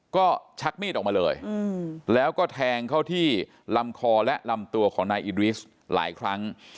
ก็ชักมีดออกมาเลยแล้วก็แทงเข้าที่ลำคอและลำตัวของนายอิดริสหลายครั้ง